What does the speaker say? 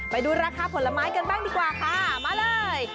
ไปดูราคาผลไม้กันบ้างดีกว่าค่ะมาเลย